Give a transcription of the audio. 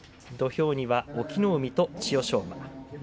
土俵には隠岐の海と千代翔馬。